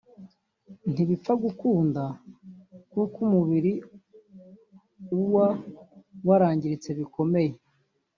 ntibipfa gukunda kuko umubiri uwa warangiritse bikomeye